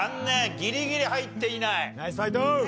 ギリギリ入っていない。